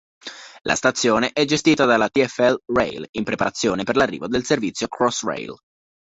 La stazione è gestita dalla TfL Rail, in preparazione per l'arrivo del servizio Crossrail.